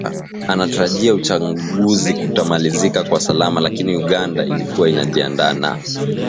anatarajia uchaguzi utamalizika kwa salama lakini Uganda ilikuwa inajiandaa na